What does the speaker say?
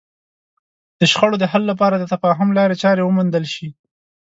د شخړو د حل لپاره د تفاهم لارې چارې وموندل شي.